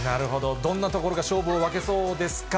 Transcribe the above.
どんなところが勝負を分けそうですか。